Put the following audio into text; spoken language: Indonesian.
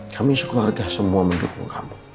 kami sekeluarga semua mendukung kami